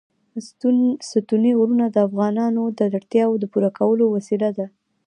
ستوني غرونه د افغانانو د اړتیاوو د پوره کولو وسیله ده.